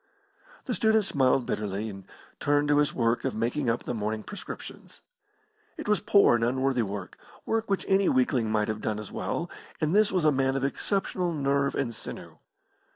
The student smiled bitterly, and turned to his work of making up the morning prescriptions. It was poor and unworthy work work which any weakling might have done as well, and this was a man of exceptional nerve and sinew.